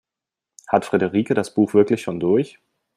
Hat Friederike das Buch wirklich schon durch?